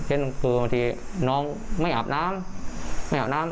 เช่นคือบางทีน้องไม่อาบน้ำ